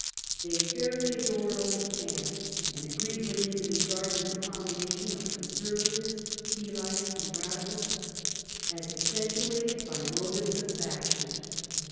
They fairly adored old Pam," and agreed with him in regarding the combination of Conservatives, Peelites, and Badicals as actuated by motives of faction.